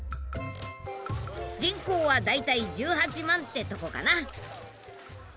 人口は大体１８万ってとこかな。